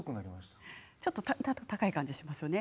ちょっと高い感じがしますね。